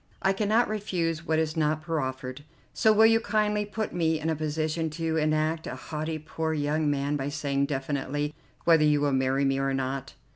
I cannot refuse what is not proffered. So will you kindly put me in a position to enact a haughty poor young man by saying definitely whether you will marry me or not?"